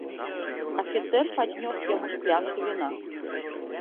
Афіцэр паднёс яму шклянку віна.